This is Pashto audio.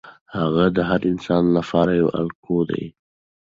هغه د هر انسان لپاره یو الګو دی.